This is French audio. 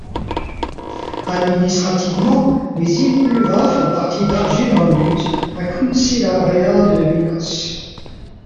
Administrativement, les îles Ulva font partie d'Argyll and Bute, un council area de l'Écosse.